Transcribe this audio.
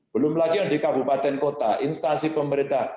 belum lagi yang di kabupaten kota instansi pemerintah